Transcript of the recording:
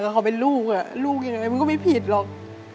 เขาเป็นลูกลูกยังไงมันก็ไม่ผิดหรอก